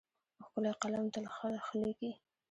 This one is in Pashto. ښکلی قلم تل ښه لیکي.